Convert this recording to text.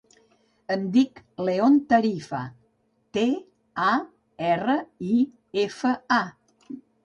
Em dic León Tarifa: te, a, erra, i, efa, a.